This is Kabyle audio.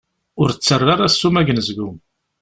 Ur ttarra ara ssuma deg unezgum!